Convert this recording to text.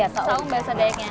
saung bahasa dayaknya